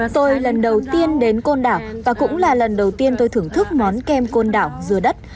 tôi lần đầu tiên đến côn đảo và cũng là lần đầu tiên tôi thưởng thức món kem côn đảo dừa đất